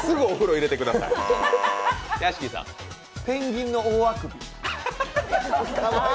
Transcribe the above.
ペンギンの大あくび。